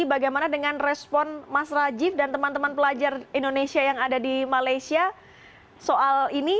bagaimana dengan respon mas rajiv dan teman teman pelajar indonesia yang ada di malaysia soal ini